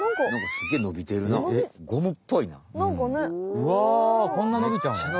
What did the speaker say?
うわこんなのびちゃうの？